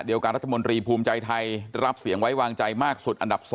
การรัฐมนตรีภูมิใจไทยได้รับเสียงไว้วางใจมากสุดอันดับ๒